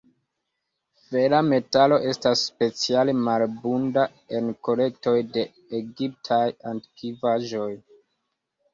Fera metalo estas speciale malabunda en kolektoj de egiptaj antikvaĵoj.